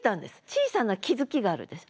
小さな気づきがあるでしょ。